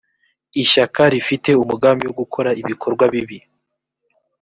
ishyaka rifite umugambi wo gukora ibikorwa bibi